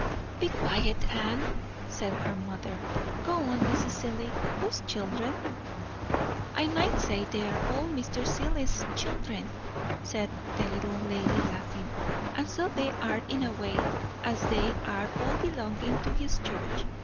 "Be quiet, Anne," said her mother. "Go on, Mrs. Seelye. Whose children?" "I might say, they are all Mr. Seelye's children," said the little lady, laughing; "and so they are in a way, as they are all belonging to his church.